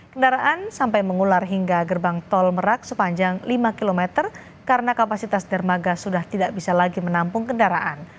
kendaraan sampai mengular hingga gerbang tol merak sepanjang lima km karena kapasitas dermaga sudah tidak bisa lagi menampung kendaraan